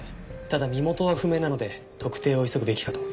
ただ身元は不明なので特定を急ぐべきかと。